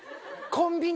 コンビニ？